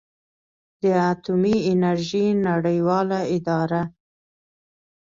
د اټومي انرژۍ نړیواله اداره